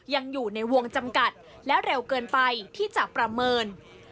ยังอยู่ในวงจำกัดและเร็วเกินไปที่จะประเมิน